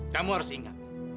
kamu harus ingat